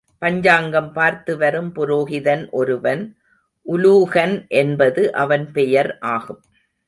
பஞ்சாங்கம் பார்த்துவரும் புரோகிதன் ஒருவன் உலூகன் என்பது அவன் பெயர் ஆகும்.